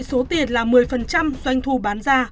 số tiền là một mươi doanh thu bán ra